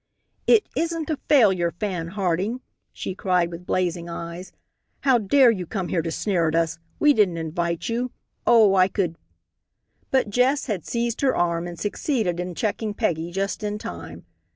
"It isn't a failure, Fan Harding," she cried, with blazing eyes. "How dare you come here to sneer at us. We didn't invite you. Oh, I could " But Jess had seized her arm and succeeded in checking Peggy just in time.